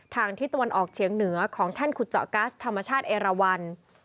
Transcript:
ทิศตะวันออกเฉียงเหนือของแท่นขุดเจาะกัสธรรมชาติเอราวัน